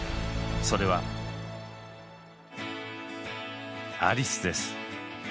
それはアリスです。